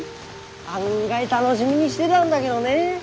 案外楽しみにしてだんだげどねえ。